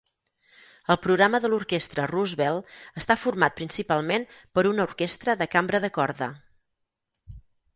El programa de l'orquestra Roosevelt està format principalment per una orquestra de cambra de corda.